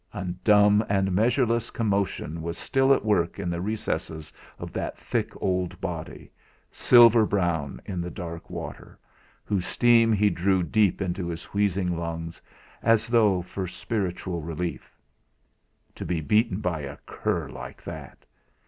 A dumb and measureless commotion was still at work in the recesses of that thick old body, silver brown in the dark water, whose steam he drew deep into his wheezing lungs, as though for spiritual relief. To be beaten by a cur like that!